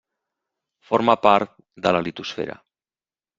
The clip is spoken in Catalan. Forma part de la litosfera.